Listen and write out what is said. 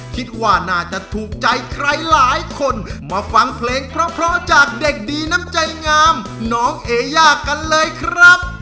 คิดว่าน่าจะถูกใจใครหลายคนมาฟังเพลงเพราะจากเด็กดีน้ำใจงามน้องเอย่ากันเลยครับ